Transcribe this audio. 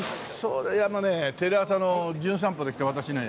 あのねテレ朝の『じゅん散歩』で来た私ね